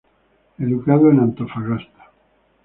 Educado en Antofagasta.